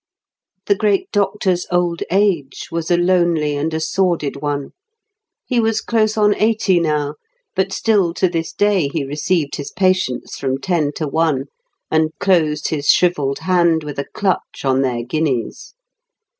The great doctor's old age was a lonely and a sordid one. He was close on eighty now, but still to this day he received his patients from ten to one, and closed his shrivelled hand with a clutch on their guineas.